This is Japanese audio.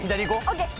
ＯＫ！